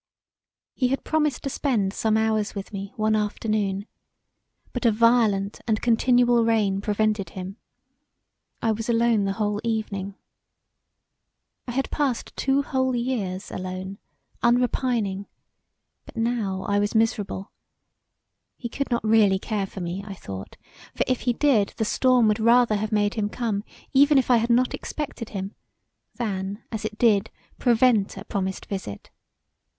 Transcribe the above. He had promised to spend some hours with me one afternoon but a violent and continual rain prevented him. I was alone the whole evening. I had passed two whole years alone unrepining, but now I was miserable. He could not really care for me, I thought, for if he did the storm would rather have made him come even if I had not expected him, than, as it did, prevent a promised visit.